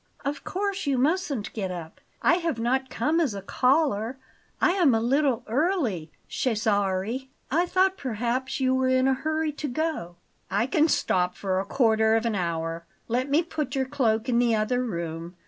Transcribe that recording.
"Of course you mustn't get up; I have not come as a caller. I am a little early, Cesare. I thought perhaps you were in a hurry to go." "I can stop for a quarter of an hour. Let me put your cloak in the other room.